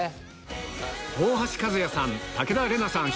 大橋和也さん